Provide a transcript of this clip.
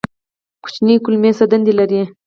کوچنۍ کولمې څه دنده لري؟